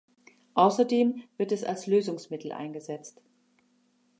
Außerdem wird es als Lösungsmittel eingesetzt.